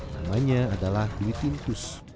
namanya adalah dewi tintus